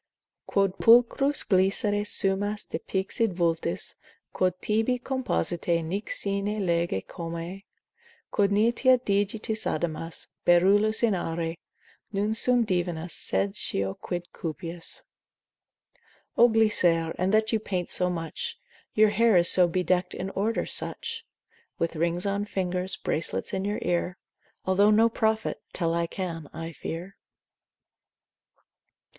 Quod pulchros Glycere sumas de pixide vultus, Quod tibi compositae nec sine lege comae: Quod niteat digitis adamas, Beryllus in aure, Non sum divinus, sed scio quid cupias. O Glycere, in that you paint so much, Your hair is so bedeckt in order such. With rings on fingers, bracelets in your ear, Although no prophet, tell I can, I fear.